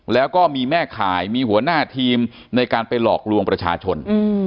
แล้วก็มีแม่ข่ายมีหัวหน้าทีมในการไปหลอกลวงประชาชน